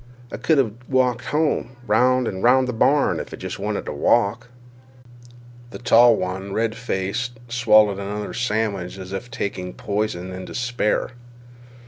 I could 'ave walked to home—'round an' 'round the barn, if I jest wanted to walk." The tall one, red faced, swallowed another sandwich as if taking poison in despair.